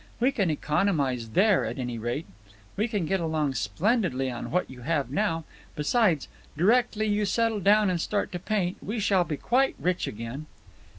We can economize there, at any rate. We can get along splendidly on what you have now. Besides, directly you settle down and start to paint, we shall be quite rich again."